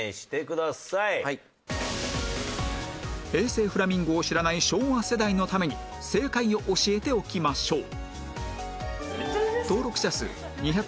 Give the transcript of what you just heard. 平成フラミンゴを知らない昭和世代のために正解を教えておきましょう